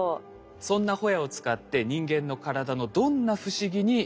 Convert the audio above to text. そんなホヤを使って人間の体のどんな不思議に迫っているのか。